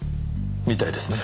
みたいですね。